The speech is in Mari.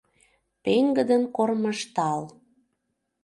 Пеҥгыдын кормыжтал